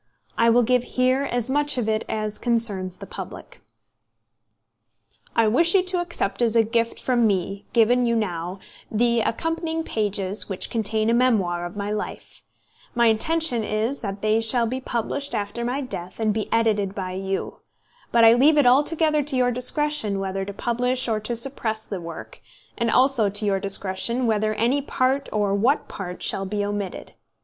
I will give here as much of it as concerns the public: "I wish you to accept as a gift from me, given you now, the accompanying pages which contain a memoir of my life. My intention is that they shall be published after my death, and be edited by you. But I leave it altogether to your discretion whether to publish or to suppress the work; and also to your discretion whether any part or what part shall be omitted.